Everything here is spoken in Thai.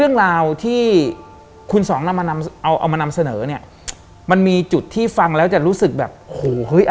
คือเรื่องนี้มันดาคมากเลย